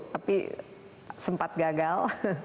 tapi sempat gagal